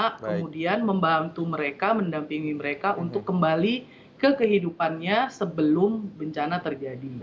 mereka kemudian membantu mereka mendampingi mereka untuk kembali ke kehidupannya sebelum bencana terjadi